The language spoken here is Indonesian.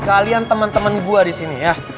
kalian temen temen gue disini ya